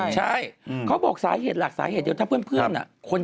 ใช่เขาบอกสาเหตุหลักสาเหตุเดียวถ้าเพื่อน